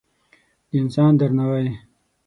د انسان درناوی